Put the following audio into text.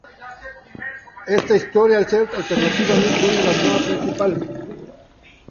Esta historia al ser alternativa, no influye en la trama principal.